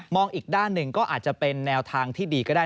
อีกด้านหนึ่งก็อาจจะเป็นแนวทางที่ดีก็ได้